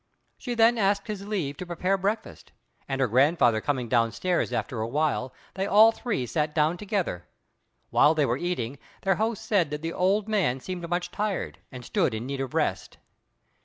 She then asked his leave to prepare breakfast; and her grandfather coming downstairs after a while, they all three sat down together. While they were eating, their host said that the old man seemed much tired, and stood in need of rest.